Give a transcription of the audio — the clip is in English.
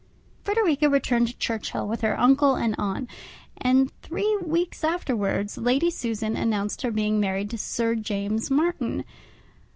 Frederica returned to Churchhill with her uncle and aunt; and three weeks afterwards, Lady Susan announced her being married to Sir James Martin.